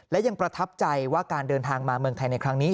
และยังประทับใจว่าการเดินทางมาเมืองไทยในครั้งนี้